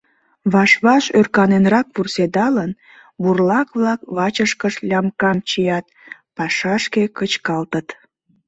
Ваш-ваш ӧрканенрак вурседалын, бурлак-влак вачышкышт лямкам чият, пашашке кычкалтыт.